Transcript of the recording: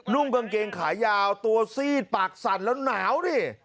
่งกางเกงขายาวตัวซีดปากสั่นแล้วหนาวดิ